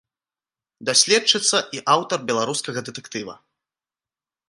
Даследчыца і аўтар беларускага дэтэктыва.